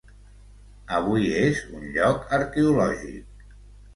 Avui és un lloc arqueològic.